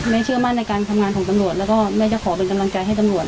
เชื่อมั่นในการทำงานของตำรวจแล้วก็แม่จะขอเป็นกำลังใจให้ตำรวจ